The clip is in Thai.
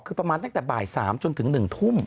คือประมาณตั้งแต่บ่าย๓จนถึง๑ทุ่ม